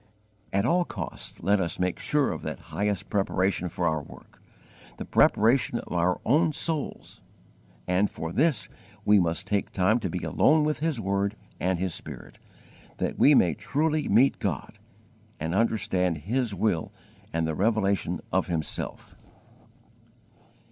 At all costs let us make sure of that highest preparation for our work the preparation of our own souls; and for this we must take time to be alone with His word and His Spirit, that we may truly meet God, and understand His will and the revelation of Himself.